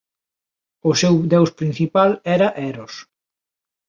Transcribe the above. O seu deus principal era Eros.